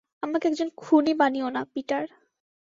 আমাকে একজন খুনি বানিও না, পিটার।